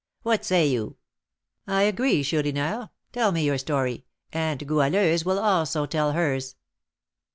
What say you?" "I agree, Chourineur; tell me your story, and Goualeuse will also tell hers."